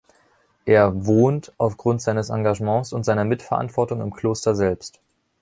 Er ‚wohnt‘ aufgrund seines Engagements und seiner Mitverantwortung im Kloster selbst.